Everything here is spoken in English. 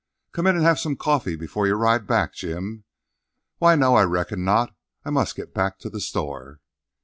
"Come in and have some coffee before you ride back, Jim?" "Why, no, I reckon not; I must get back to the store."